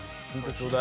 ちょうだい。